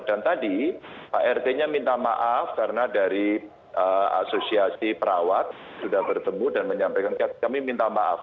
dan tadi hrd nya minta maaf karena dari asosiasi perawat sudah bertemu dan menyampaikan kami minta maaf